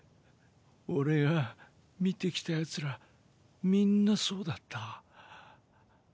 俺が見てきた奴らみんなそうだった。